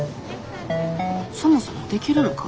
そもそもできるのか？